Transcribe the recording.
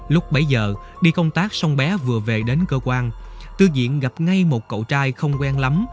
lúc bảy giờ đi công tác xong bé vừa về đến cơ quan tư diện gặp ngay một cậu trai không quen lắm